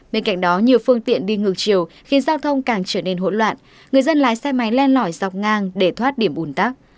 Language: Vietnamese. bên cạnh đó nhiều phương tiện đi ngược chiều khiến giao thông càng trở nên hỗn loạn người dân lái xe máy len lỏi dọc ngang để thoát điểm ủn tắc